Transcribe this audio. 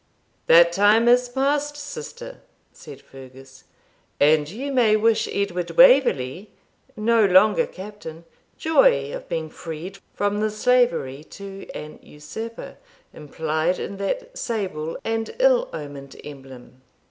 'That time is past, sister,' said Fergus; 'and you may wish Edward Waverley (no longer captain) joy of being freed from the slavery to an usurper, implied in that sable and ill omened emblem.'